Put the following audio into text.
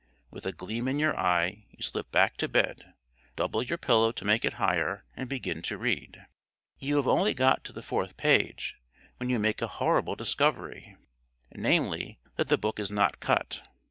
With a gleam in your eye you slip back to bed, double your pillow to make it higher, and begin to read. You have only got to the fourth page, when you make a horrible discovery namely, that the book is not cut.